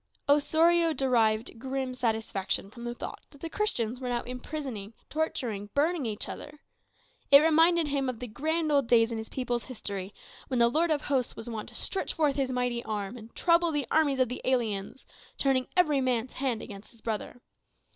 Osorio derived grim satisfaction from the thought that the Christians were now imprisoning, torturing, burning each other. It reminded him of the grand old days in his people's history, when the Lord of hosts was wont to stretch forth his mighty arm and trouble the armies of the aliens, turning every man's hand against his brother.